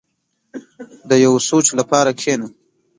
• د یو سوچ لپاره کښېنه.